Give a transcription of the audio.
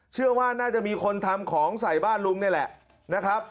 เชื่อว่าน่าจะมีคนทำของใส่บ้านลุงนี่แหละนะครับ